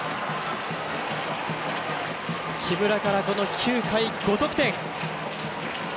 木村からこの９回、５得点。